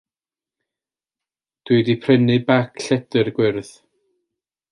Wi wedi prynu bag lledr gwyrdd.